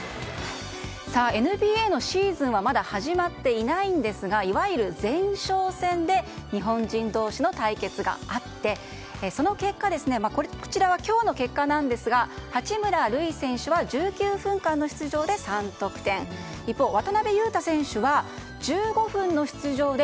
ＮＢＡのシーズンはまだ始まっていないんですがいわゆる前哨戦で日本人同士の対決があってその結果こちらは今日の結果なんですが八村塁選手は１９分間の出場で３得点一方、渡邊雄太選手は１５分の出場で